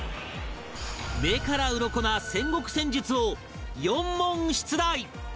目からウロコな戦国戦術を４問出題